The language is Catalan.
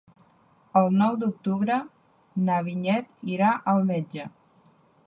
El nou d'octubre na Vinyet irà al metge.